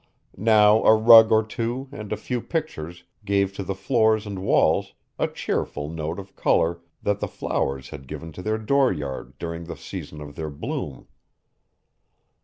Now a rug or two and a few pictures gave to the floors and walls a cheerful note of color that the flowers had given to their dooryard during the season of their bloom.